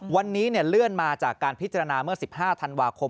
วันนี้เลื่อนมาจากการพิจารณาเมื่อ๑๕ธันวาคม